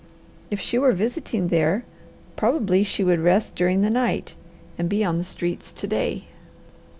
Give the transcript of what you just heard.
If she were visiting there probably she would rest during the night, and be on the streets to day.